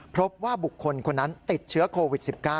พบว่าบุคคลคนนั้นติดเชื้อโควิด๑๙